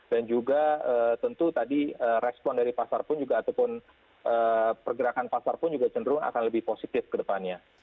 dan juga tentu tadi respon dari pasar pun juga ataupun pergerakan pasar pun juga cenderung akan lebih positif ke depannya